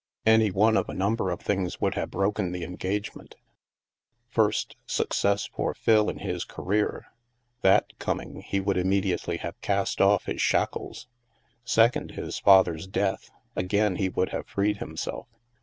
Any one of a number of things would have broken the engagement. First, success for Phil in his ca STILL WATERS 99 reer; that coming, he would immediately have cast off his shackles. Second, his father's death; again he would have freed himself.